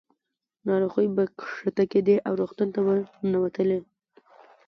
ناروغۍ به ښکته کېدې او روغتون ته به ننوتلې.